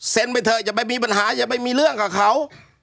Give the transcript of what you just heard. ไปเถอะอย่าไปมีปัญหาอย่าไปมีเรื่องกับเขา